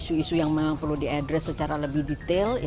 masih ada isu isu yang memang perlu di address secara lebih detail